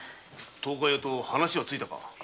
東海屋と話はついたか？